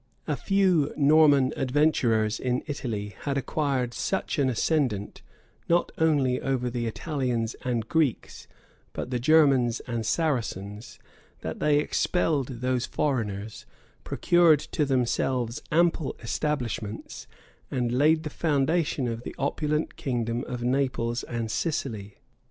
A few Norman adventurers in Italy had acquired such an ascendant, not only over the Italians and Greeks, but the Germans and Saracens, that they expelled those foreigners, procured to themselves ample establishments, and laid the foundation of the opulent kingdom of Naples and Sicily.